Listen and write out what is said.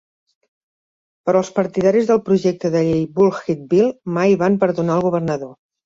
Però, els partidaris del projecte de llei Bulkhead Bill mai van perdonar al governador.